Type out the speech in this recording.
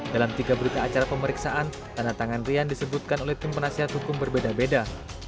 dalam tiga berita acara pemeriksaan tanda tangan rian disebutkan oleh tim penasihat hukum berbeda beda